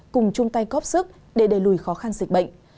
cùng chung tay góp sức để đẩy lùi khó khăn dịch bệnh